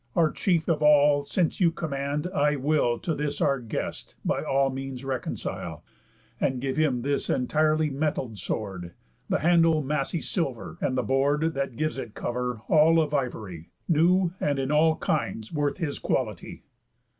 Our chief of all, since you command, I will To this our guest by all means reconcile, And give him this entirely metall'd sword, The handle massy silver, and the board, That gives it cover, all of ivory, New, and in all kinds worth his quality."